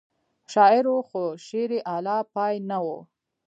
شاعر و خو شعر یې اعلی پای نه و.